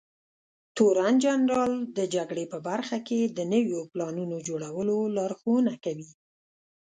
تورنجنرال د جګړې په برخه کې د نويو پلانونو جوړولو لارښونه کوي.